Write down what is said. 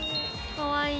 かわいい。